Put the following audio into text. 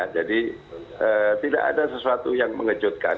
jadi tidak ada sesuatu yang mengejutkan